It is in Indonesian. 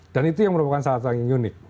dan itu yang merupakan salah satu yang unik